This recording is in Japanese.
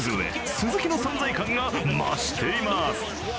鈴木の存在感が増しています。